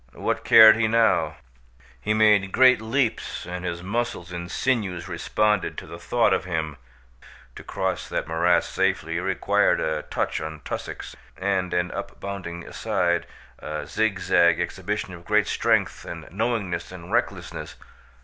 What cared he now! He made great leaps and his muscles and sinews responded to the thought of him. To cross that morass safely required a touch on tussocks and an upbounding aside, a zig zag exhibition of great strength and knowingness and recklessness.